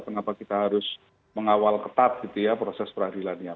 kenapa kita harus mengawal ketat proses peradilan